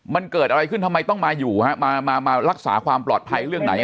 มันเกิดอะไรขึ้นทำไมต้องมาอยู่ฮะมามารักษาความปลอดภัยเรื่องไหน